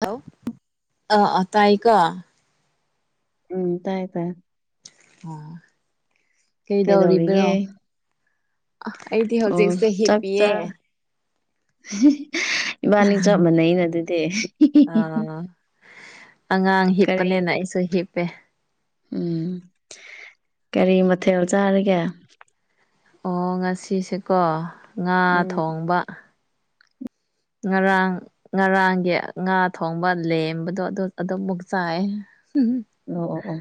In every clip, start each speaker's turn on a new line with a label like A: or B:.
A: Hello ꯑꯥ ꯑꯥ ꯇꯥꯏꯀꯣ
B: ꯎꯝ ꯇꯥꯏ ꯇꯥꯏ
A: ꯑꯣ ꯀꯩꯗꯧꯔꯤꯕꯅꯣ
B: ꯀꯩꯗꯧꯔꯤꯒꯦ
A: ꯑꯩꯗꯤ
B: ꯑꯣ
A: ꯍꯧꯖꯤꯛꯁꯦ
B: ꯆꯥꯛ
A: ꯍꯤꯞꯄꯤꯌꯦ
B: ꯆꯥ ꯏꯕꯥꯅꯤ ꯆꯞ ꯃꯥꯟꯅꯩꯩꯅ ꯑꯗꯨꯗꯤ
A: ꯑ ꯑꯉꯥꯡ
B: ꯀꯔꯤ
A: ꯍꯤꯞꯄꯅꯦꯅ ꯑꯩꯁꯨ ꯍꯤꯞꯄꯦ
B: ꯎꯝ ꯀꯔꯤ ꯃꯊꯦꯜ ꯆꯥꯔꯒꯦ
A: ꯑꯣ ꯉꯁꯤꯁꯦꯀꯣ ꯉꯥ
B: ꯎꯝ
A: ꯊꯣꯡꯕ ꯉꯔꯥꯡ ꯉꯔꯥꯡꯒꯤ ꯉꯥ ꯊꯣꯡꯕ ꯂꯦꯝꯕꯗꯣ ꯑꯗꯨ ꯑꯗꯨꯃꯨꯛ ꯆꯥꯏ
B: ꯑꯣ ꯑꯣ ꯑꯣ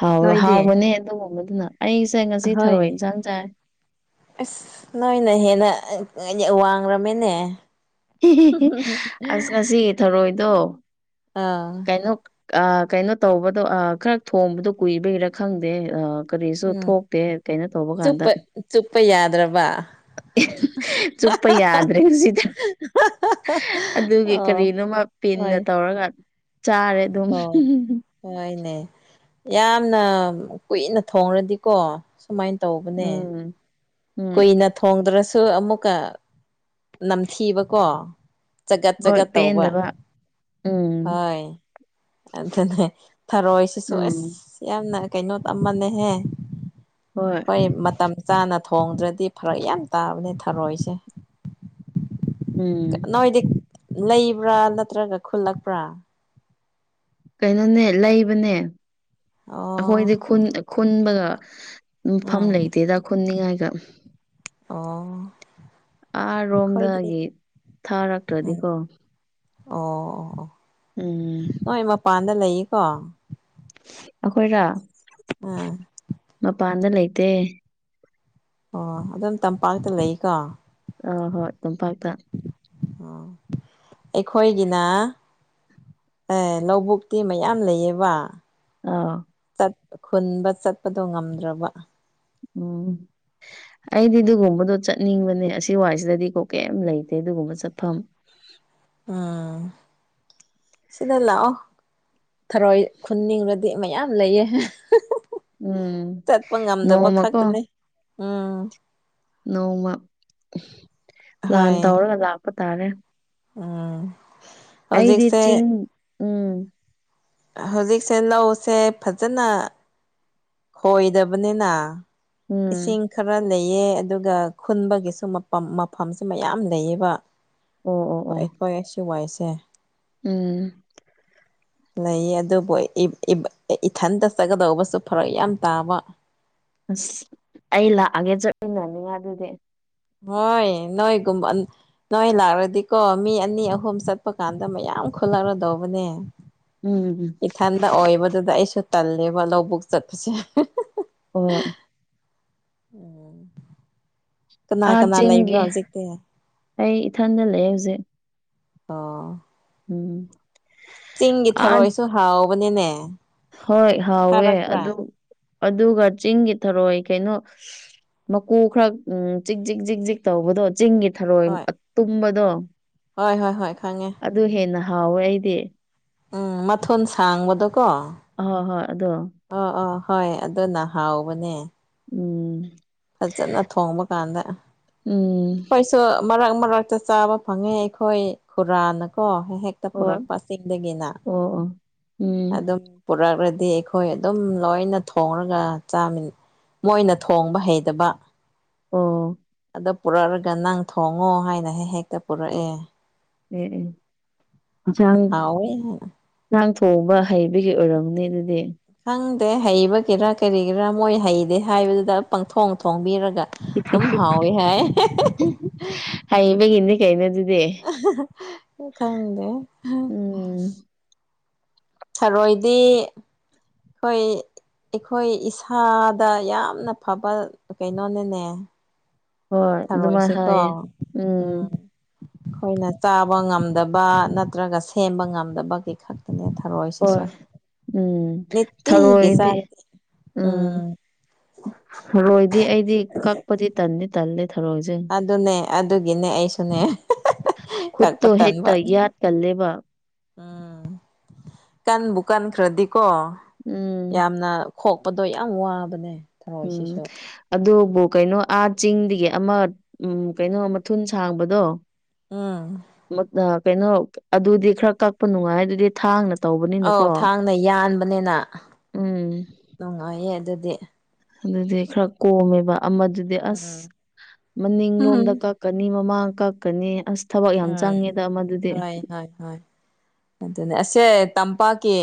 B: ꯍꯥꯎ
A: ꯅꯣꯏꯗꯤ
B: ꯍꯥꯎꯕꯅꯦ ꯑꯗꯨꯒꯨꯝꯕꯗꯨꯅ ꯑꯩꯁꯦ ꯉꯁꯤ
A: ꯑꯍꯣꯏ
B: ꯊꯔꯣꯏ ꯏꯟꯖꯥꯡ ꯆꯥꯏ
A: ꯑꯁ ꯅꯣꯏꯅ ꯍꯦꯟꯅ ꯋꯥꯡꯂꯝꯃꯦꯅꯦ
B: ꯑꯁ ꯉꯁꯤꯒꯤ ꯊꯧꯔꯣꯏꯗꯣ
A: ꯑꯥ
B: ꯀꯩꯅꯣ ꯑꯥ ꯀꯩꯅꯣ ꯇꯧꯕꯗꯣ ꯑꯥ ꯈꯔ ꯊꯣꯡꯕꯗꯣ ꯀꯨꯏꯕꯩꯔ ꯈꯪꯗꯦ ꯀꯔꯤꯁꯨ
A: ꯎꯝ
B: ꯊꯣꯛꯇꯦ ꯀꯩꯅꯣ ꯇꯧꯕ ꯀꯥꯟꯗ
A: ꯆꯨꯞꯄ ꯆꯨꯞꯄ ꯌꯥꯗ꯭ꯔꯕ
B: ꯆꯨꯞꯄꯥ ꯌꯥꯗ꯭ꯔꯦ ꯍꯧꯖꯤꯛꯇꯣ ꯑꯗꯨꯒꯤ
A: ꯑꯣ
B: ꯀꯔꯤꯅꯣꯃꯅ
A: ꯍꯣꯏ
B: ꯄꯤꯟꯅ ꯇꯧꯔꯒ ꯆꯥꯔꯦ ꯑꯗꯨꯝ
A: ꯑꯣ ꯍꯣꯏꯅꯦ ꯌꯥꯝꯅ ꯀꯨꯏꯅ ꯊꯣꯡꯔꯗꯤꯀꯣ ꯃꯥꯗꯨꯃꯥꯏꯟ ꯇꯧꯕꯅꯦ
B: ꯎꯝ ꯎꯝ
A: ꯀꯨꯏꯅ ꯊꯣꯡꯗ꯭ꯔꯁꯨ ꯑꯃꯨꯛꯀ ꯅꯝꯊꯤꯕꯀꯣ ꯆꯒꯠ
B: ꯍꯣꯏ
A: ꯆꯒꯠ ꯇꯧꯕ
B: ꯄꯦꯟꯗꯕ ꯎꯝ
A: ꯍꯣꯏ ꯑꯗꯨꯅꯦ ꯊꯔꯣꯏꯁꯤꯁꯨ ꯑꯁ
B: ꯎꯝ
A: ꯌꯥꯝꯅ ꯀꯩꯅꯣ ꯑꯃꯅꯦꯍꯦ
B: ꯍꯣꯏ
A: ꯍꯣꯏ ꯃꯇꯝ ꯆꯥꯅ ꯊꯣꯡꯗ꯭ꯔꯗꯤ ꯐꯔꯛ ꯌꯥꯝ ꯇꯥꯕꯅꯦ ꯊꯔꯣꯏꯁꯦ
B: ꯎꯝ
A: ꯅꯣꯏꯗꯤ ꯂꯩꯕ꯭ꯔꯥ ꯅꯠꯇ꯭ꯔꯒ ꯈꯨꯜꯂꯛꯄ꯭ꯔꯥ
B: ꯀꯩꯅꯣꯅꯦ ꯂꯩꯕꯅꯦ
A: ꯑꯣ
B: ꯑꯩꯈꯣꯏꯗꯤ ꯈꯨꯟ ꯈꯨꯟꯕꯒ ꯃꯐꯝ
A: ꯎꯝ
B: ꯂꯩꯇꯦꯗ ꯈꯨꯟꯅꯤꯡꯉꯥꯏꯒ
A: ꯑꯣ
B: ꯑꯥꯔꯣꯝꯗꯒꯤ
A: ꯎꯝ
B: ꯊꯥꯔꯛꯇ꯭ꯔꯗꯤꯀꯣ
A: ꯑꯣ
B: ꯎꯝ
A: ꯅꯣꯏ ꯃꯄꯥꯟꯗ ꯂꯩꯌꯦꯀꯣ
B: ꯑꯈꯣꯏꯔꯣ
A: ꯎꯝ
B: ꯃꯄꯥꯟꯗ ꯂꯩꯇꯦ
A: ꯑꯣ ꯑꯗꯨꯝ ꯇꯝꯄꯥꯛꯇ ꯂꯩꯀꯣ
B: ꯑꯥ ꯍꯣꯏ ꯇꯝꯄꯥꯛꯇ
A: [unintelligible] ꯑꯩꯈꯣꯏꯒꯤꯅ ꯑꯦ ꯂꯧꯕꯨꯛꯇꯤ ꯃꯌꯥꯝ ꯂꯩꯌꯦꯕ
B: ꯑꯥꯎ
A: ꯑꯗꯨ ꯈꯨꯟꯕ ꯆꯠꯄꯗꯣ ꯉꯝꯗ꯭ꯔꯕ
B: ꯎꯝ ꯑꯩꯗꯤ ꯑꯗꯨꯒꯨꯝꯕꯗꯣ ꯆꯠꯅꯤꯡꯕꯅꯦ ꯑꯁꯤ ꯋꯥꯏꯁꯤꯗꯗꯤ ꯀꯣ ꯀꯩꯝ ꯂꯩꯇꯦ ꯑꯗꯨꯒꯨꯝꯕ ꯆꯠꯐꯝ
A: ꯑꯥ ꯁꯤꯗ ꯂꯥꯛꯑꯣ ꯊꯔꯣꯏ ꯈꯨꯅꯤꯡꯔꯗꯤ ꯃꯌꯥꯝ ꯂꯩꯌꯦ [unintelligible]
B: ꯎꯝ
A: ꯆꯠꯄ ꯉꯝꯗꯕ
B: ꯅꯣꯡꯃꯀꯣ
A: ꯈꯛꯇꯅꯦ ꯎꯝ
B: ꯅꯣꯡꯃ ꯄ꯭ꯂꯥꯟ
A: ꯍꯣꯏ
B: ꯇꯧꯔꯒ ꯂꯥꯛꯄ ꯇꯥꯔꯦ
A: ꯎꯝ
B: ꯑꯩꯗꯤ
A: ꯍꯧꯖꯤꯛꯁꯦ
B: ꯆꯤꯡ ꯎꯝ
A: ꯍꯧꯖꯤꯛꯁꯦ ꯂꯧꯁꯦ ꯐꯖꯅ ꯈꯣꯏꯗꯕꯅꯤꯅ ꯏꯁꯤꯡ
B: ꯎꯝ
A: ꯈꯔ ꯂꯩꯌꯦ ꯑꯗꯨꯒ ꯈꯨꯟꯕꯒꯤꯁꯨ ꯃꯄꯝ ꯃꯐꯝꯁꯦ ꯃꯌꯥꯝ ꯂꯩꯌꯦꯕ
B: ꯑꯣ ꯑꯣ
A: ꯍꯣꯏ
B: ꯑꯣ
A: ꯑꯩꯈꯣꯏ ꯑꯁꯤꯋꯥꯏꯁꯦ
B: ꯎꯝ
A: ꯂꯩꯌꯦ ꯑꯗꯨꯕꯨ ꯏꯕ ꯏꯕ ꯏꯊꯟꯇ ꯆꯠꯒꯗꯧꯕꯁꯨ ꯐꯔꯛ ꯌꯥꯝ ꯇꯥꯕ
B: ꯑꯁ ꯑꯩ ꯂꯥꯛꯑꯒꯦ ꯆꯠꯃꯤꯟꯅꯅꯤꯡꯉꯥꯢ ꯑꯗꯨꯗꯤ
A: ꯍꯣꯏ ꯅꯣꯏꯒꯨꯝꯕ [unintelligible] ꯅꯣꯏ ꯂꯥꯛꯔꯗꯤꯀꯣ ꯃꯤ ꯑꯅꯤ ꯑꯍꯨꯝ ꯆꯠꯄ ꯀꯥꯟꯗ ꯃꯌꯥꯝ ꯈꯨꯜꯂꯛꯔꯗꯧꯕꯅꯦ
B: ꯎꯝ
A: ꯏꯊꯟꯗ ꯑꯣꯏꯕꯗꯨꯗ ꯑꯩꯁꯨ ꯇꯜꯂꯦꯕ ꯂꯧꯕꯨꯛ ꯆꯠꯄꯁꯦ
B: ꯍꯣꯢ
A: [inaudible] ꯀꯅꯥ
B: ꯑꯥ
A: ꯀꯅꯥ ꯂꯩꯕ꯭ꯔꯣ
B: ꯆꯤꯡꯒꯤ
A: ꯍꯧꯖꯤꯛꯇꯤ
B: ꯑꯩ ꯏꯊꯟꯗ ꯂꯩꯌꯦ ꯍꯨꯖꯤꯛ
A: ꯑꯣ
B: ꯎꯝ
A: ꯆꯤꯡꯒꯤ
B: ꯑꯥ
A: ꯊꯔꯣꯏꯁꯨ ꯍꯥꯎꯕꯅꯤꯅꯦ
B: ꯍꯣꯏ ꯍꯥꯎꯋꯦ
A: ꯊꯥꯔꯛꯄ꯭ꯔꯥ
B: ꯑꯗꯨ ꯑꯗꯨꯒ ꯆꯤꯡꯒꯤ ꯊꯔꯣꯏ ꯀꯩꯅꯣ ꯃꯀꯨ ꯈꯔꯥ ꯎꯝ ꯖꯤꯛ ꯖꯤꯛ ꯖꯤꯛ ꯖꯤꯛ ꯇꯧꯕꯗꯣ ꯆꯤꯡꯒꯤ ꯊꯔꯣꯏ
A: ꯍꯣꯏ
B: ꯑꯇꯨꯝꯕꯗꯣ
A: ꯍꯣꯏ ꯍꯣꯏ ꯍꯣꯏ ꯈꯪꯉꯦ
B: ꯑꯗꯨ ꯍꯦꯟꯅ ꯍꯥꯎꯋꯦ ꯑꯩꯗꯤ
A: ꯎꯝ ꯃꯊꯨꯟ ꯁꯥꯡꯕꯗꯣꯀꯣ
B: ꯑꯍꯣꯏ ꯍꯣꯏ ꯑꯗꯣ
A: ꯑꯣ ꯑꯣ ꯍꯣꯏ ꯑꯗꯨꯅ ꯍꯥꯎꯕꯅꯦ
B: ꯎꯝ
A: ꯐꯖꯅ ꯊꯣꯡꯕ ꯀꯥꯟꯗ
B: ꯎꯝ
A: ꯇꯣ ꯃꯔꯛ ꯃꯔꯛꯇ ꯆꯥꯕ ꯐꯪꯉꯦ ꯑꯩꯈꯣꯏ ꯈꯨꯔꯥꯅꯀꯣ ꯍꯦꯛ ꯍꯦꯛ
B: ꯑꯣ
A: ꯇꯞꯒꯀꯣ ꯆꯤꯗꯒꯤꯅ
B: ꯑꯣ ꯑꯣ ꯎꯝ
A: ꯑꯗꯨꯝ ꯄꯨꯔꯛꯔꯗꯤ ꯑꯩꯈꯣꯏ ꯑꯗꯨꯝ ꯂꯣꯏꯅ ꯊꯣꯡꯔꯒ ꯆꯥꯃꯤꯟ ꯃꯣꯏꯅ ꯊꯣꯡꯕ ꯍꯩꯇꯕ
B: ꯑꯣ
A: ꯍꯦꯛꯇ ꯄꯨꯔꯛꯔꯒ ꯅꯪ ꯊꯣꯡꯉꯣ ꯍꯥꯏꯅ ꯍꯦ ꯍꯦꯛꯇ ꯄꯨꯔꯛꯑꯦ
B: ꯑꯦ ꯑꯦ ꯍꯦꯟꯁꯥꯡ
A: ꯍꯥꯎꯋꯦ
B: ꯖꯥꯡ ꯊꯣꯡꯕ ꯍꯩꯕꯒꯤ ꯑꯣꯏꯔꯝꯅꯤ ꯑꯗꯨꯗꯤ
A: ꯈꯪꯗꯦ ꯍꯩꯕꯒꯤꯔꯥ ꯀꯔꯤꯒꯤꯔꯥ ꯃꯣꯏ ꯍꯩꯗꯦ ꯍꯥꯏꯕꯗꯨꯗ ꯄꯪꯊꯣꯡ ꯊꯣꯡꯕꯤꯔ ꯒ ꯑꯗꯨꯝ ꯍꯥꯎꯋꯦ ꯍꯥꯏ
B: ꯍꯩꯕꯒꯤꯅꯦ ꯀꯩꯅꯣ ꯑꯗꯨꯗꯤ
A: ꯈꯪꯗꯦ
B: ꯎꯝ
A: ꯊꯔꯣꯏꯗꯤ ꯈꯣꯏ ꯑꯩꯈꯣꯏ ꯏꯁꯥꯗ ꯌꯥꯝꯅ ꯐꯕ ꯀꯩꯅꯣꯅꯤꯅꯦ
B: ꯍꯣꯏ ꯑꯗꯨꯃꯥꯏꯅ
A: ꯊꯔꯣꯏꯁꯦꯀꯣ
B: ꯍꯥꯏꯌꯦ
A: ꯎꯝ ꯑꯩꯈꯣꯏꯅ ꯆꯥꯕ ꯉꯝꯗꯕ ꯅꯠꯇ꯭ꯔꯒ ꯁꯦꯝꯕ ꯉꯝꯗꯕꯒꯤ ꯈꯛ
B: ꯍꯣꯏ ꯎꯝ
A: ꯅꯤꯇꯤꯒꯤ
B: ꯊꯔꯣꯏꯗꯤ
A: ꯆꯥꯔꯗꯤ
B: ꯎꯝ ꯊꯔꯣꯏꯗꯤ ꯑꯩꯗꯤ ꯀꯛꯄꯗꯤ ꯇꯟꯗꯤ ꯇꯟꯂꯦ ꯊꯔꯣꯏꯁꯦ
A: ꯑꯗꯨꯅꯦ ꯑꯗꯨꯒꯤꯅꯦ ꯑꯩꯁꯨꯅꯦ ꯀꯛꯄ
B: ꯈꯨꯠꯇꯣ
A: ꯇꯟꯕ
B: ꯍꯦꯛꯇ ꯌꯥꯠꯀꯜꯂꯦꯕ
A: ꯎꯝ ꯀꯟꯕꯨ ꯀꯟꯈ꯭ꯔꯥꯗꯤꯀꯣ
B: ꯎꯝ
A: ꯌꯥꯝꯅ ꯈꯣꯛꯄꯗꯣ ꯌꯥꯝ ꯋꯥꯕꯅꯦ
B: ꯎꯝ
A: ꯊꯔꯣꯏꯁꯤꯁꯨ
B: ꯑꯗꯨꯕꯨ ꯀꯩꯅꯣ ꯑꯥ ꯆꯤꯡꯗꯒꯤ ꯑꯃ ꯎꯝ ꯀꯩꯅꯣ ꯃꯊꯨꯟ ꯁꯥꯡꯕꯗꯣ
A: ꯎꯝ
B: ꯃꯠ ꯑꯥ ꯀꯩꯅꯣ ꯑꯗꯨꯗꯤ ꯈꯔꯥ ꯀꯛꯄ ꯅꯨꯡꯉꯥꯏ ꯑꯗꯨꯗꯤ ꯊꯥꯡꯅ
A: ꯑꯧ
B: ꯇꯧꯕꯅꯤꯅꯀꯣ
A: ꯊꯥꯡꯅ ꯌꯥꯟꯕꯅꯤꯅ
B: ꯎꯝ
A: ꯅꯨꯡꯉꯥꯏꯌꯦ ꯑꯗꯨꯗꯤ
B: ꯑꯗꯨꯗꯤ ꯈꯔ ꯀꯣꯝꯃꯦꯕ ꯑꯃꯗꯨꯗꯤ
A: ꯎꯝ
B: ꯑꯁ
A: ꯎꯝ
B: ꯃꯅꯤꯡꯂꯣꯝꯗ ꯀꯛ ꯒꯅꯤ ꯃꯃꯥꯡ ꯀꯛꯀꯅꯤ ꯑꯁ ꯊꯕꯛ ꯌꯥꯝ
A: ꯎꯝ
B: ꯆꯪꯉꯦꯗ ꯑꯃꯗꯨꯗꯤ
A: ꯍꯣꯏ ꯍꯣꯏ ꯍꯣꯏ ꯑꯗꯨꯅꯦ ꯑꯁꯁꯦ ꯇꯝꯄꯥꯛꯀꯤ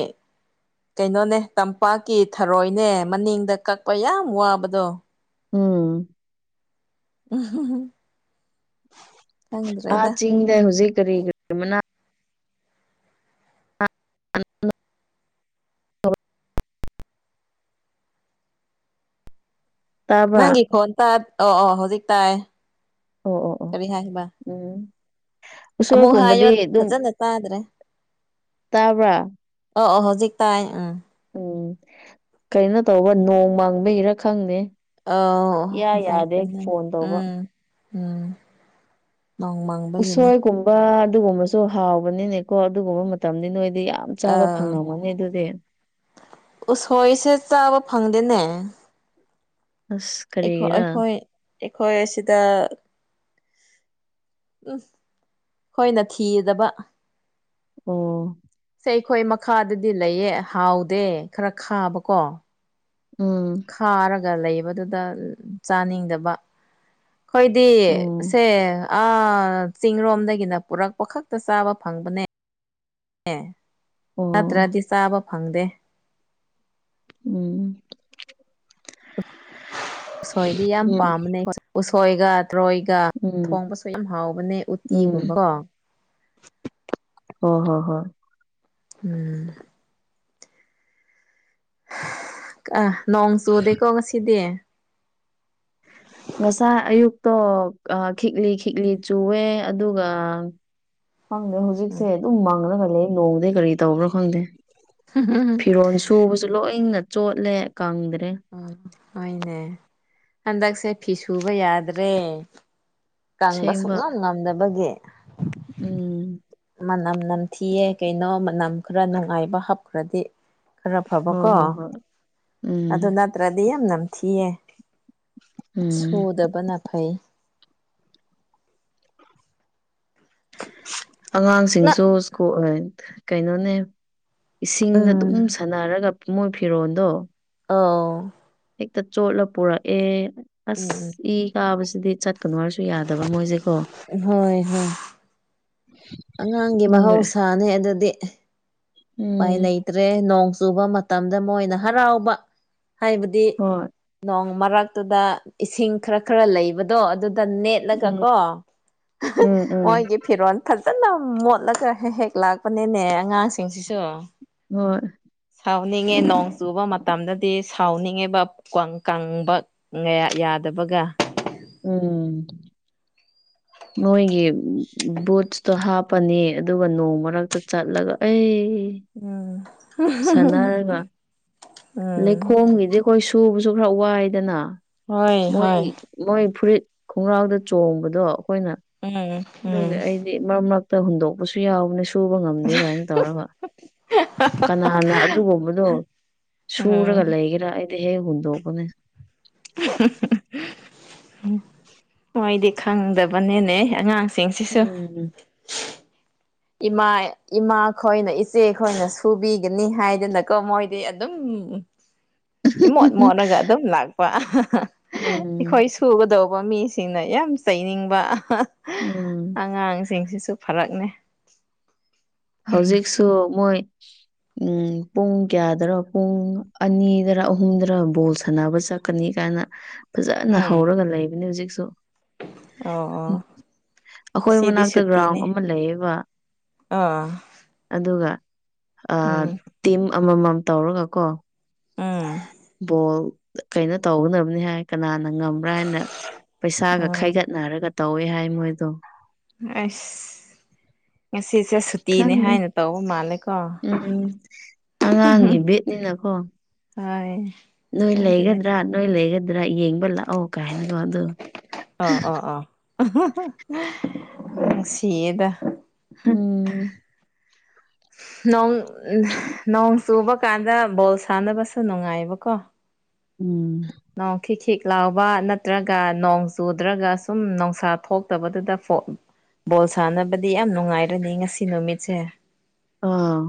A: ꯀꯩꯅꯣꯅꯦ ꯇꯝꯄꯥꯛꯀꯤ ꯊꯔꯣꯏꯅꯦ ꯃꯅꯤꯡꯗ ꯀꯛꯄ ꯌꯥꯝ ꯋꯥꯕꯗꯣ
B: ꯎꯝ
A: [unintelligible]
B: ꯑꯥ
A: ꯈꯪꯗ꯭ꯔꯦꯗ
B: ꯆꯤꯡꯗ ꯍꯧꯖꯤꯛ ꯀꯔꯤꯒ [unintelligible] ꯇꯥꯕ꯭ꯔꯥ
A: ꯅꯪꯒꯤ ꯈꯣꯟꯇ ꯑꯣ ꯑꯣ ꯍꯧꯖꯤꯛ ꯇꯥꯏ
B: ꯑꯣ ꯑꯣ ꯑꯣ
A: ꯀꯔꯤ ꯍꯥꯏꯕ꯫
B: ꯎꯝ
A: ꯑꯃꯨꯛ ꯍꯥꯏꯌꯣ
B: ꯎꯁꯣꯏꯒꯨꯝꯕꯗꯤ ꯑꯗꯨꯝ,
A: ꯐꯖꯅ ꯇꯥꯗ꯭ꯔꯦ
B: ꯇꯥꯕ꯭ꯔꯥ?
A: ꯑꯣ ꯑꯣ ꯍꯧꯖꯤꯛ ꯇꯥꯏ꯫
B: ꯎꯝ ꯀꯩꯅꯣ ꯇꯧꯕ ꯅꯣꯡ ꯃꯪꯕꯩꯔ ꯈꯪꯗꯦ꯫
A: ꯑꯧ
B: ꯏꯌꯥ
A: ꯑꯣ
B: ꯌꯥꯗꯦ ꯐꯣꯟ ꯇꯧꯕ
A: ꯎꯝ ꯎꯝ ꯅꯣꯡꯃꯪ
B: ꯎꯁꯣꯏꯒꯨꯝꯕ ꯑꯗꯨꯒꯨꯝꯕꯁꯨ ꯍꯥꯎꯕꯅꯤꯅꯦꯀꯣ ꯑꯗꯨꯒꯨꯝꯕ ꯃꯇꯝꯗꯤ ꯅꯣꯏꯗꯤ ꯌꯥꯝ ꯆꯥꯕ
A: ꯑꯥ
B: ꯐꯪꯉꯝꯒꯅꯤ ꯑꯗꯨꯗꯤ꯫
A: ꯎꯁꯣꯏꯁꯦ ꯆꯥꯕ ꯐꯪꯗꯦꯅꯦ꯫
B: ꯑꯁ
A: ꯑꯩꯈꯣꯏ
B: ꯀꯔꯤꯒꯤꯔꯥ
A: ꯑꯩꯈꯣꯢ ꯑꯩꯈꯣꯏ ꯑꯁꯤꯗ, ꯎꯝ ꯈꯣꯏꯅ ꯊꯤꯗꯕ꯫
B: ꯑꯣ
A: ꯁꯦ ꯑꯩꯈꯣꯏ ꯃꯈꯥꯗꯗꯤ ꯂꯩꯌꯦ ꯍꯥꯎꯗꯦ ꯈꯔ ꯈꯥꯕꯀꯣ꯫
B: ꯎꯝ
A: ꯈꯥꯔꯒ ꯂꯩꯕꯗꯨꯗ ꯆꯥꯅꯤꯡꯗꯕ꯫ ꯈꯣꯏꯗꯤ
B: ꯎꯝ
A: ꯁꯦ ꯑꯥ ꯆꯤꯡꯔꯣꯝꯗꯒꯤꯅ ꯄꯨꯔꯛꯄ ꯈꯛꯇ ꯆꯥꯕ ꯐꯪꯕꯅꯦ꯫
B: ꯑꯣ
A: ꯅꯠꯇ꯭ꯔꯗꯤ ꯆꯥꯕ ꯐꯪꯗꯦ꯫
B: ꯎꯝ
A: ꯎꯁꯣꯏꯗꯤ ꯌꯥꯝ
B: ꯎꯝ
A: ꯄꯥꯝꯕꯅꯦ ꯎꯁꯣꯏꯒ ꯊ꯭ꯔꯣꯏꯒ ꯒ
B: ꯎꯝ
A: ꯊꯣꯡꯕꯁꯨ ꯌꯥꯝ ꯍꯥꯎꯕꯅꯦ ꯎꯇꯤꯒꯨꯝꯕ ꯀꯣ꯫
B: ꯍꯣ ꯍꯣ ꯍꯣꯏ꯫
A: ꯎꯝ ꯅꯣꯡ ꯆꯨꯗꯦꯀꯣ ꯉꯁꯤꯗꯤ꯫
B: ꯉꯁꯥꯏ ꯑꯌꯨꯛꯇꯣ ꯑꯥ ꯈꯤꯛꯂꯤ ꯈꯤꯛꯂꯤ
A: ꯎꯝ
B: ꯆꯨꯋꯦ꯫ ꯑꯗꯨꯒ ꯈꯪꯗꯦ ꯍꯧꯖꯤꯛꯁꯦ ꯑꯗꯨꯝ ꯃꯪꯂꯒ ꯂꯩ꯫ ꯅꯣꯡꯗꯤ ꯀꯔꯤ ꯇꯧꯕ꯭ꯔꯥ ꯈꯪꯗꯦ
A: ꯎꯝ
B: ꯐꯤꯔꯣꯟ ꯁꯨ ꯁꯨꯕꯁꯨ ꯂꯣꯏꯅ ꯆꯣꯠꯂꯦ ꯀꯪꯗ꯭ꯔꯦ꯫
A: ꯍꯣꯏꯅꯦ ꯍꯟꯗꯛꯁꯦ ꯐꯤ ꯁꯨꯕ ꯌꯥꯗ꯭ꯔꯦ꯫ ꯀꯪꯕ
B: ꯁꯦꯡꯕ
A: ꯁꯨꯛꯉꯝ ꯉꯝꯗꯕꯒꯤ꯫
B: ꯎꯝ
A: ꯃꯅꯝ ꯅꯝꯊꯤꯌꯦ ꯀꯩꯅꯣ ꯃꯅꯝ ꯈꯔ ꯅꯨꯡꯉꯥꯏꯕ ꯍꯥꯞꯈ꯭ꯔꯗꯤ꯫ ꯈꯔ
B: ꯍꯣꯏ
A: ꯐꯕꯀꯣ
B: ꯍꯣꯏ ꯍꯣꯏ ꯎꯝ
A: ꯑꯗꯨ ꯅꯠ ꯇ꯭ꯔꯗꯤ ꯌꯥꯝ ꯅꯝꯊꯤꯌꯦ
B: ꯎꯝ
A: ꯁꯨꯗꯕꯅ ꯐꯩ꯫
B: ꯑꯉꯥꯡꯁꯤꯡꯁꯨ ꯁꯀꯨꯜ ꯑꯥ ꯀꯩꯅꯣꯅꯦ꯫ ꯏꯁꯤꯡꯗ ꯑꯗꯨꯝ
A: ꯎꯝ
B: ꯁꯥꯟꯅꯔꯒ ꯃꯣꯏ ꯐꯤꯔꯣꯜꯗꯣ,
A: ꯑꯥꯎ
B: ꯍꯦꯛꯇ ꯆꯣꯠꯂ ꯄꯨꯔꯛꯑꯦ
A: ꯎꯝ
B: ꯑꯁ ꯏ ꯀꯥꯕꯁꯤꯗꯤ ꯆꯠꯀꯅꯨ ꯍꯥꯏꯔꯁꯨ ꯌꯥꯗꯕ ꯃꯣꯏꯁꯦꯀꯣ꯫
A: ꯍꯣꯏ ꯍꯣꯏ꯫ ꯑꯉꯥꯡꯒꯤ
B: ꯎꯝ
A: ꯃꯍꯧꯁꯥꯅꯦ ꯑꯗꯨꯗꯤ꯫
B: ꯎꯝ
A: ꯎꯄꯥꯏ ꯂꯩꯇ꯭ꯔꯦ ꯅꯣꯡ ꯆꯨꯕ ꯃꯇꯝꯗ ꯃꯣꯏꯅ ꯍꯔꯥꯎꯕ ꯍꯥꯏꯕꯗꯤ,
B: ꯍꯣꯏ
A: ꯅꯣꯡ ꯃꯔꯛꯇꯨꯗ ꯏꯁꯤꯡ ꯈꯔ ꯈꯔ ꯂꯩꯕꯗꯣ ꯑꯗꯨꯗ ꯅꯦꯠ
B: ꯎꯝ
A: ꯂꯒꯀꯣ
B: ꯎꯝ ꯎꯝ
A: ꯃꯣꯏꯒꯤ ꯐꯤꯔꯣꯜ ꯐꯥꯖꯅ ꯃꯣꯠꯂꯒ ꯍꯦꯛ ꯍꯦꯛ ꯂꯥꯛꯄꯅꯤꯅꯦ ꯑꯉꯥꯡꯁꯤꯡꯁꯤꯁꯨ
B: ꯍꯣꯏ
A: ꯁꯥꯎꯅꯤꯡꯉꯦ ꯅꯣꯡ ꯆꯨꯕ ꯃꯇꯝꯗꯗꯤ ꯁꯥꯎꯅꯤꯡꯉꯦꯕ ꯀꯪ ꯀꯪꯕ ꯉꯌ ꯌꯥꯗꯕꯒ
B: ꯎꯝ ꯃꯣꯏꯒꯤ ꯕꯨꯠꯁꯇꯣ ꯍꯥꯞꯄꯅꯤ ꯑꯗꯨꯒ ꯅꯣꯡ ꯃꯔꯛꯇ ꯆꯠꯂꯒ ꯑꯦ
A: ꯎꯝ ꯎꯝ
B: ꯂꯩꯈꯣꯝꯒꯤꯗꯤ ꯑꯩꯈꯣꯏ ꯁꯨꯕꯁꯨ ꯈꯔ ꯋꯥꯏꯗꯅ
A: ꯍꯣꯏ
B: ꯃꯣꯏ
A: ꯍꯣꯏ
B: ꯃꯣꯏ ꯐꯨꯔꯤꯠ ꯈꯣꯡꯒ꯭ꯔꯥꯎꯗ ꯆꯣꯡꯕꯗꯣ ꯑꯩꯈꯣꯏꯅ
A: ꯎꯝ ꯎꯝ
B: ꯑꯗꯨꯒꯤ ꯑꯩ ꯁꯤ ꯃꯔꯛ ꯃꯔꯛꯇ ꯍꯨꯟꯗꯣꯛꯄꯁꯨ ꯌꯥꯎꯕꯅꯦ ꯁꯨꯕ ꯉꯝꯗꯦ ꯀꯥꯏꯅ ꯇꯧꯔꯒ ꯀꯅꯥꯅ ꯑꯗꯨꯒꯨꯝꯕꯗꯣ ꯁꯨꯔꯒ
A: ꯎꯝ
B: ꯂꯩꯒꯦꯔꯥ ꯑꯩꯗꯤ ꯍꯦꯛ ꯍꯦꯛ ꯍꯨꯟꯗꯣꯛꯄꯅꯦ
A: [unintelligible] ꯎꯝ ꯃꯣꯏꯗꯤ ꯈꯪꯗꯕꯅꯤꯅꯦ ꯑꯉꯥꯡ
B: ꯎꯝ
A: ꯏꯃꯥ ꯏꯃꯥ ꯈꯣꯏꯅ ꯏꯆꯦ ꯈꯣꯏꯅ ꯁꯨꯕꯤꯒꯅꯤ ꯍꯥꯏꯗꯅꯀꯣ ꯃꯣꯏꯗꯤ ꯑꯗꯨꯝ [inaudible] ꯏꯃꯣꯠ ꯃꯣꯠꯂꯒ ꯑꯗꯨꯝ ꯂꯥꯛꯄ
B: ꯎꯝ
A: ꯑꯩꯈꯣꯏ ꯁꯨꯒꯗꯧꯕ ꯃꯤꯁꯤꯡ ꯁꯤꯅ ꯌꯥꯝ ꯆꯩꯅꯤꯡꯕ
B: ꯎꯝ
A: ꯑꯉꯥꯡꯁꯤꯡꯁꯤꯁꯨ ꯐꯔꯛꯅꯦ
B: ꯍꯧꯖꯤꯛꯁꯨ ꯃꯣꯏ ꯎꯝ ꯄꯨꯡ ꯀꯌꯥꯗꯔꯣ ꯄꯨꯡ ꯑꯅꯤꯗ꯭ꯔꯥ ꯑꯍꯨꯝꯗ꯭ꯔꯥ ꯕꯣꯜ ꯁꯥꯟꯅꯕ ꯆꯠ ꯀꯅꯤ ꯀꯥꯏꯅ ꯐꯥꯖꯅ
A: ꯎꯝ
B: ꯍꯧꯔꯒ ꯂꯩꯕꯅꯤ ꯍꯧꯖꯤꯛꯁꯨ
A: ꯑꯣ ꯑꯣ
B: ꯑꯩꯈꯣꯏ
A: ꯉꯁꯤꯗꯤ
B: ꯃꯅꯥꯛꯇ ꯒ꯭ꯔꯥꯎꯟ
A: ꯁꯨꯇꯤꯅꯦ
B: ꯑꯃ ꯂꯩꯌꯦꯕ
A: ꯑꯥ
B: ꯑꯗꯨꯒ ꯑꯥ ꯇꯤꯝ ꯑꯃꯃꯝ ꯇꯧꯔꯒ ꯀꯣ
A: ꯑꯥ
B: ꯕꯣꯜ ꯀꯩꯅꯣ ꯇꯧꯒꯅꯕꯅꯤ ꯍꯥꯏ ꯀꯅꯥꯅ ꯉꯝꯕ꯭ꯔꯥ ꯍꯥꯏꯅ ꯄꯩꯁꯥꯒ
A: ꯎꯝ
B: ꯈꯥꯏꯒꯠꯅꯔꯒ ꯇꯧꯋꯦ ꯍꯥꯏ ꯃꯣꯏꯗꯣ
A: ꯑꯁ ꯉꯁꯤꯁꯦ ꯁꯨꯇꯤꯅꯦ
B: ꯈꯪꯗꯦ
A: ꯍꯥꯏꯅ ꯇꯧꯕ ꯃꯥꯜꯂꯦꯀꯣ
B: ꯎꯝ ꯑꯉꯥꯡꯒꯤ ꯕꯦꯠꯅꯤꯅꯀꯣ
A: ꯍꯣꯏ
B: ꯅꯣꯏ
A: ꯑꯗꯨꯅꯦ
B: ꯂꯩꯒꯗ꯭ꯔꯥ ꯅꯣꯏ ꯂꯩꯒꯗ꯭ꯔꯥ ꯌꯦꯡꯕ ꯂꯥꯛꯑꯣ ꯀꯥꯏꯅꯀꯣ ꯑꯗꯨ
A: ꯑꯣ ꯑꯣ ꯑꯣ ꯅꯨꯡꯁꯤꯌꯦꯗ
B: ꯎꯝ
A: ꯅꯣꯡ ꯅꯣꯡ ꯆꯨꯕ ꯀꯥꯟꯗ ꯕꯣꯜ ꯁꯥꯟꯅꯕꯁꯨ ꯅꯨꯡꯉꯥꯏꯕꯀꯣ
B: ꯎꯝ
A: ꯅꯣꯡ ꯈꯤꯛ ꯈꯤꯛ ꯂꯥꯎꯕ ꯅꯠꯇ꯭ꯔꯒ ꯅꯣꯡ ꯆꯨꯗ꯭ꯔꯥꯒ ꯁꯨꯝ ꯅꯣꯡꯁꯥ ꯊꯣꯛꯇꯕꯗꯨꯗ ꯕꯣꯜ ꯁꯥꯟꯅꯕꯗꯤ ꯌꯥꯝ ꯅꯨꯡꯉꯥꯏꯔꯅꯤ ꯉꯁꯤ ꯅꯨꯃꯤꯠꯁꯦ
B: ꯑꯥ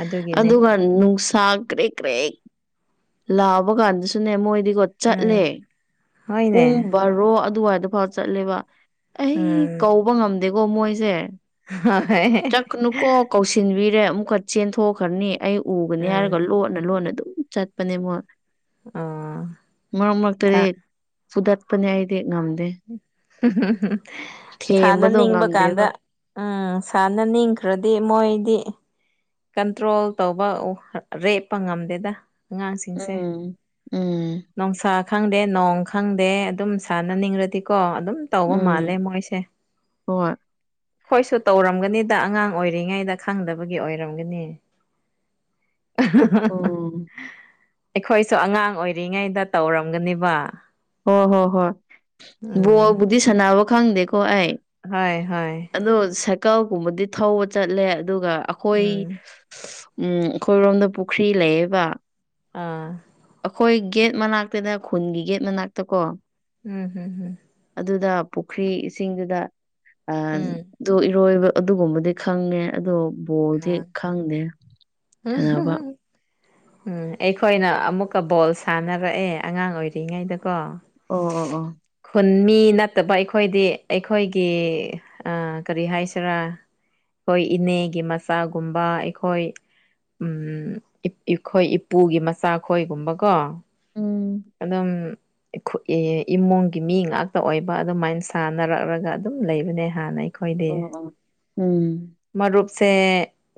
A: ꯑꯗꯨꯒꯤꯅꯦ
B: ꯑꯗꯨꯒ ꯅꯨꯡꯁꯥ ꯀ꯭ꯔꯤꯛ ꯀ꯭ꯔꯤꯛ ꯂꯥꯛꯕ ꯀꯥꯟꯗꯁꯨꯅꯦ ꯃꯣꯏꯗꯤꯀꯣ
A: ꯎꯝ
B: ꯆꯠꯂꯦ
A: ꯍꯣꯏꯅꯦ
B: ꯄꯨꯡ ꯕꯥꯔꯣ ꯑꯗꯨꯋꯥꯏꯗꯐꯥꯎ ꯆꯠꯂꯦꯕ ꯑꯩ
A: ꯎꯝ
B: ꯀꯧꯕ ꯉꯝꯗꯦꯀꯣ ꯃꯣꯏꯁꯦ
A: ꯍꯥ ꯍꯣꯏ
B: ꯆꯠꯀꯥꯅꯨꯀꯣ ꯀꯧꯁꯤꯟꯕꯤꯔꯦ ꯑꯃꯨꯛꯀꯥ ꯆꯦꯟꯊꯣꯛꯈ꯭ꯔꯥꯅꯤ ꯑꯩ ꯎꯒꯅꯤ
A: ꯎꯝ
B: ꯍꯥꯏꯔꯒ ꯂꯣꯠꯅ ꯂꯣꯟꯅ ꯑꯗꯨꯝ ꯆꯠꯄꯅꯦ ꯃꯣꯏ
A: ꯑꯣ
B: ꯃꯔꯛ ꯃꯔꯛꯇꯥꯗꯤ ꯐꯨꯗꯠꯄꯅꯦ ꯑꯩꯗꯤ ꯉꯝꯗꯦ ꯊꯦꯝꯕꯗꯣ
A: ꯁꯥꯟꯅꯅꯤꯡꯕ ꯀꯥꯟꯗ
B: ꯉꯝꯗꯦꯕ
A: ꯎꯝ ꯁꯥꯟꯅꯅꯤꯡꯈ꯭ꯔꯥꯗꯤ ꯃꯣꯏꯗꯤ ꯀꯟꯇ꯭ꯔꯣꯜ ꯇꯧꯕ ꯔꯦꯞꯄ ꯉꯝꯗꯦꯗ ꯑꯉꯥꯡꯁꯤꯡꯁꯦ
B: ꯎꯝ ꯎꯝ
A: ꯅꯨꯡꯁꯥ ꯈꯪꯗꯦ ꯅꯣꯡ ꯈꯪꯗꯦ ꯑꯗꯨꯝ ꯁꯥꯟꯅꯅꯤꯡꯔꯗꯤꯀꯣ ꯑꯗꯨꯝ ꯇꯧꯕ ꯃꯥꯜꯂꯦ
B: ꯎꯝ
A: ꯃꯣꯏꯁꯦ
B: ꯍꯣꯏ
A: ꯈꯣꯏꯁꯨ ꯇꯧꯔꯝꯒꯅꯤꯗ ꯑꯉꯥꯡ ꯑꯣꯏꯔꯤꯉꯩꯗ ꯈꯪꯗꯕꯒꯤ ꯑꯣꯏ ꯔꯝꯒꯥꯅꯤ
B: ꯎꯝ
A: ꯑꯩꯈꯣꯏꯁꯨ ꯑꯉꯥꯡ ꯑꯣꯏꯔꯤꯉꯩꯗ ꯇꯧꯔꯝꯒꯥꯅꯦꯕ
B: ꯍꯣꯏ ꯍꯣ ꯍꯣꯏ ꯕꯣꯜꯕꯨꯗꯤ ꯁꯥꯟꯅꯕ ꯈꯪꯗꯦꯀꯣ ꯑꯩ
A: ꯍꯣꯏ ꯍꯣꯏ
B: ꯑꯗꯣ ꯁꯥꯏꯀꯜꯒꯨꯝꯕꯗꯤ ꯊꯧꯕ ꯆꯠꯂꯦ ꯑꯗꯨꯒ ꯈꯣꯏ
A: ꯎꯝ
B: ꯎꯝ ꯑꯈꯣꯏꯔꯣꯝꯗ ꯄꯨꯈ꯭ꯔꯤ ꯂꯩꯌꯦꯕ
A: ꯑꯥ
B: ꯑꯩꯈꯣꯏ ꯒꯦꯠ ꯃꯅꯥꯛꯇꯥꯅ ꯈꯨꯟꯒꯤ ꯒꯦꯠ ꯃꯅꯥꯛꯇꯥ ꯀꯣ
A: ꯎꯝ ꯍꯝ ꯎꯝ
B: ꯑꯗꯨꯗ ꯄꯨꯈ꯭ꯔꯤ ꯏꯁꯤꯡꯗꯨꯗ ꯑꯥ
A: ꯎꯝ
B: ꯗꯨ ꯏꯔꯣꯏꯕ ꯑꯗꯨꯒꯨꯝꯕꯗꯤ ꯈꯪꯉꯦ ꯑꯗꯣ ꯕꯣꯜꯗꯤ
A: ꯑꯥ
B: ꯈꯪꯗꯦ ꯁꯥꯟꯅꯕ
A: [unintelligible] ꯎꯝ ꯑꯩꯈꯣꯏꯅ ꯑꯃꯨꯛꯀꯥ ꯕꯣꯜ ꯁꯥꯟꯅꯔꯛꯑꯦ ꯑꯉꯥꯡ ꯑꯣꯏꯔꯤꯉꯩꯗꯀꯣ
B: ꯑꯣ ꯑꯣ ꯑꯣ
A: ꯈꯨꯟ ꯃꯤ ꯅꯠꯇꯕ ꯑꯩꯈꯣꯏꯗꯤ ꯑꯩꯈꯣꯏꯒꯤ ꯑꯥ ꯀꯥꯔꯤ ꯍꯥꯏꯁꯤꯔꯥ ꯈꯣꯏ ꯏꯅꯦꯒꯤ ꯃꯆꯥꯒꯨꯝꯕ ꯑꯩꯈꯣꯏ ꯎꯝ ꯑꯩꯈꯣꯏ ꯏꯄꯨꯒꯤ ꯃꯆꯥ ꯈꯣꯏꯒꯨꯝꯕꯀꯣ
B: ꯎꯝ
A: ꯑꯗꯨꯝ ꯑꯩꯈꯣꯏ ꯏꯃꯨꯡꯒꯤ ꯃꯤ ꯉꯥꯛꯇꯥ ꯑꯣꯏꯕ ꯑꯗꯨꯃꯥꯏꯅ ꯁꯥꯟꯅꯔꯛꯂꯒ ꯑꯗꯨꯝ ꯂꯩꯕꯅꯦ ꯍꯥꯟꯅ ꯑꯩꯈꯣꯏꯗꯤ
B: ꯑꯥ ꯑꯪ ꯎꯝ
A: ꯃꯔꯨꯞꯁꯦ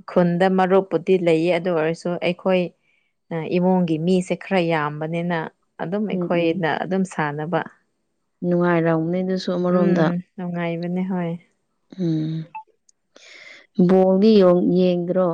A: ꯈꯨꯟꯗ ꯃꯔꯨꯞꯄꯨꯗꯤ ꯂꯩꯌꯦ ꯑꯗꯨ ꯑꯣꯏꯔꯁꯨ ꯑꯩꯈꯣꯏ ꯏꯃꯨꯡꯒꯤ ꯃꯤꯁꯦ ꯈꯔ ꯌꯥꯝꯕꯅꯤꯅ ꯑꯗꯨꯝ
B: ꯎꯝ
A: ꯑꯩꯈꯣꯏꯅ ꯑꯗꯨꯝ ꯁꯥꯟꯅꯕ
B: ꯅꯨꯡꯉꯥꯏꯔꯝꯒꯅꯤ ꯑꯗꯨꯁꯨ
A: ꯎꯝ
B: ꯑꯃꯔꯣꯝꯗ
A: ꯅꯨꯡꯉꯥꯏꯕꯅꯦ ꯍꯣꯏ
B: ꯎꯝ ꯕꯣꯜꯗꯤ ꯌꯧ ꯌꯦꯡꯗ꯭ꯔꯣ